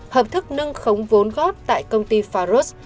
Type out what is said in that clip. hợp thức nâng khống vốn góp tại công ty faros